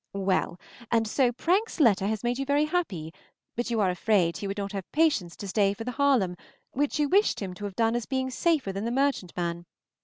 Well, and so Prank's letter has made you very happy, but you are afraid he would not have patience to stay for the "Haarlem," which you wish him to have done as being safer than the merchantman.